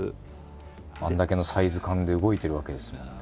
あれだけのサイズ感で動いてるわけですもんね。